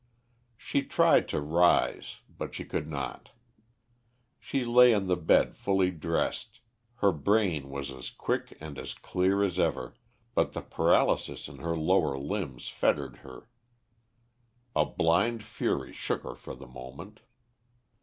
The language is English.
She tried to rise but she could not. She lay on the bed fully dressed, her brain was as quick and as clear as ever, but the paralysis in the lower limbs fettered her. A blind fury shook her for the moment.